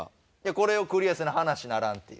これをクリアせな話ならんっていう。